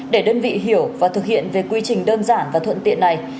để đơn vị hiểu và thực hiện về quy trình đơn giản và thuận tiện này